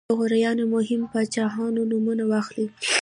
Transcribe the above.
د غوریانو مهمو پاچاهانو نومونه واخلئ.